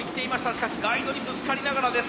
しかしガイドにぶつかりながらです。